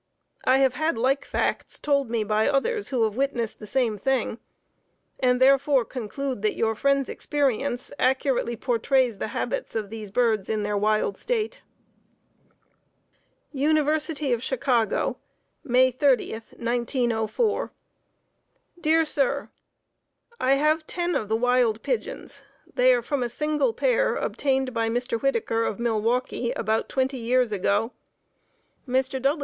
I have had like facts told me by others who have witnessed the same thing; and therefore conclude that your friend's experience accurately portrays the habits of these birds in their wild state. University of Chicago, May 30, 1904. Dear Sir: I have ten of the wild pigeons; they are from a single pair obtained by Mr. Whittaker of Milwaukee about twenty years ago. Mr.